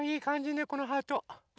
ねこのハート。